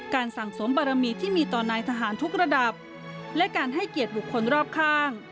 สั่งสมบารมีที่มีต่อนายทหารทุกระดับและการให้เกียรติบุคคลรอบข้าง